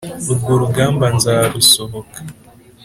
urwo rugamba nzarusohoka